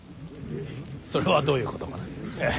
それはどういうことかな。